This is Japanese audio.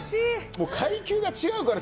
もう階級が違うから。